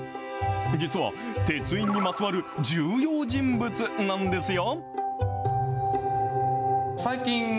実は鉄印にまつわる重要人物なんですよ。